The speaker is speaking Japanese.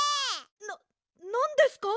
なんですか？